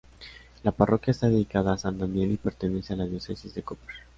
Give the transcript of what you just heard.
La parroquia está dedicada a San Daniel y pertenece a la diócesis de Koper.